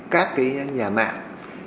các cái nhà mạng